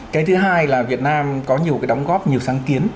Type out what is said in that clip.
cái thứ hai là việt nam có nhiều cái đóng góp nhiều sáng kiến